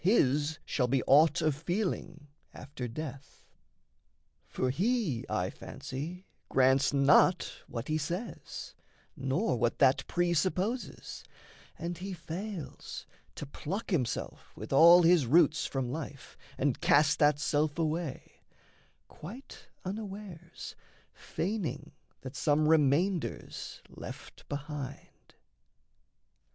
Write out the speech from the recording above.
His shall be aught of feeling after death. For he, I fancy, grants not what he says, Nor what that presupposes, and he fails To pluck himself with all his roots from life And cast that self away, quite unawares Feigning that some remainder's left behind.